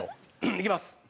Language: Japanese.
いきます。